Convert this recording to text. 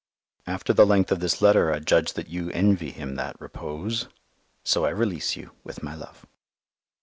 After the length of this letter I judge that you envy him that repose, so I release you with my love.